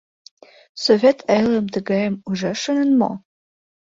Совет элым тыгайым ужаш шонен мо?